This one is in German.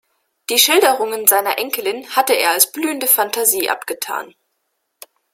Die Schilderungen seiner Enkelin hatte er als blühende Fantasie abgetan.